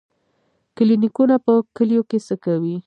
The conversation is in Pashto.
کلینیکونه په کلیو کې څه کوي؟